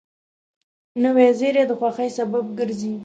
نوې زېری د خوښۍ سبب ګرځي